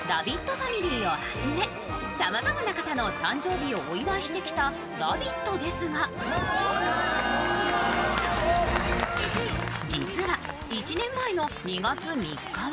ファミリーをはじめ、さまざまな方の誕生日をお祝いしてきた「ラヴィット！」ですが実は１年前の２月３日は